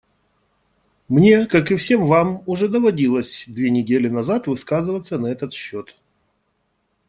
Мне, как и все вам, уже доводилось две недели назад высказываться на этот счет.